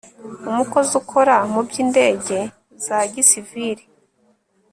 umukozi ukora mu by'indege za gisivili